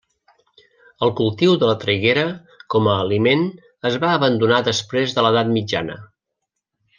El cultiu de la traiguera com a aliment es va abandonar després de l'edat mitjana.